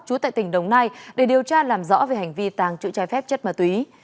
chú tại tỉnh đồng nai để điều tra làm rõ về hành vi tàng trữ trái phép chất ma túy